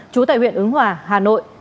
chú tại huyện ứng hòa hà nội